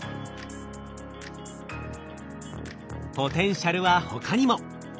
ポテンシャルは他にも。